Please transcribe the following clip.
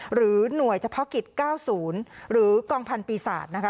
หรือหน่วยเฉพาะกิจเก้าศูนย์หรือกองพันธุ์ปีศาสตร์นะคะ